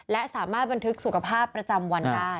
และสามารถบันทึกสุขภาพประจำวันได้